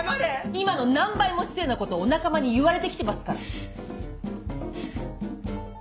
今の何倍も失礼なことをお仲間に言われてきてますから。